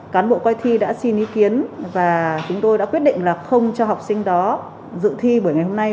cán bộ coi thi đã xin ý kiến và chúng tôi đã quyết định là không cho học sinh đó dự thi bởi ngày hôm nay